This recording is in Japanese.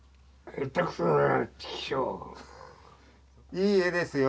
いい絵ですよ。